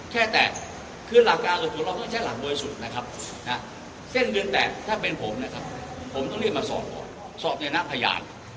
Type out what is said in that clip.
แค่แตกคือหลากากตัวเราต้องใช้หลักโดยสุดนะครับเส้นเงินแตกถ้าเป็นผมนะครับผมต้องเรียกมาสอบก่อนสอบในหน้าพยาน